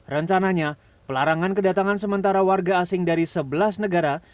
rencananya pelarangan kedatangan sementara warga asing dari sebelas negara